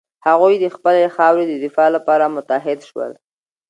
هغوی د خپلې خاورې د دفاع لپاره متحد شول.